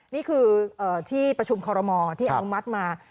นี่คือที่ประชุมคอรมอที่อนุมัติมา